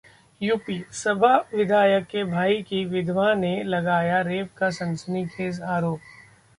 UP: Sapa विधायक के भाई की विधवा ने लगाया रेप का सनसनीखेज आरोप